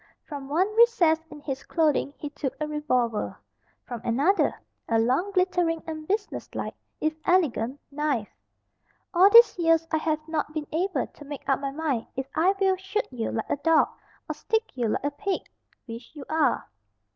From one recess in his clothing he took a revolver. From another, a long, glittering, and business like, if elegant, knife. "All these years I have not been able to make up my mind if I will shoot you like a dog, or stick you like a pig which you are."